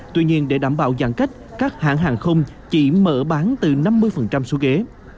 tuy nhiên để đảm bảo giãn cách các hãng hàng không chỉ mở bán từ năm mươi số ghế